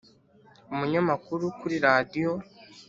umunyamakuru kuri radiyo